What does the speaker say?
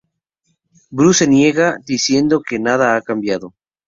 Bruce se niega, diciendo que nada ha cambiado.